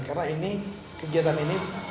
karena ini kegiatan ini